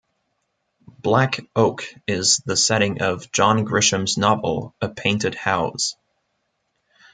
Black Oak is the setting of John Grisham's novel "A Painted House".